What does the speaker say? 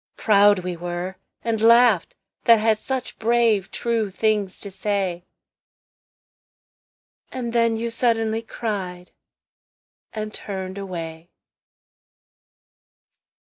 ... Proud we were, And laughed, that had such brave true things to say. And then you suddenly cried, and turned away.